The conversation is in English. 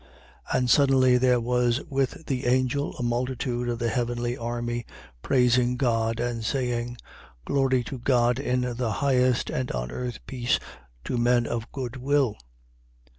2:13. And suddenly there was with the angel a multitude of the heavenly army, praising God and saying: 2:14. Glory to God in the highest: and on earth peace to men of good will.